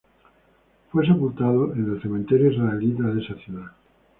Fue sepultado en el Cementerio Israelita de esa ciudad.